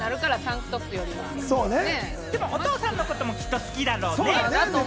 でもきっとお父さんのことも好きだろうね。